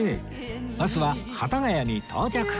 バスは幡ヶ谷に到着